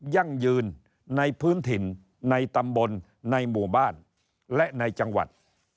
ยั่งยืนในพื้นถิ่นในตำบลในหมู่บ้านและในจังหวัด